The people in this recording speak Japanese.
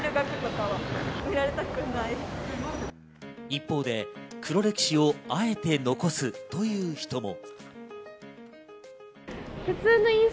一方で黒歴史をあえて残すという人も。